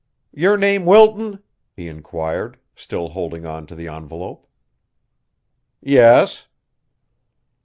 "Yer name Wilton?" he inquired, still holding on to the envelope. "Yes."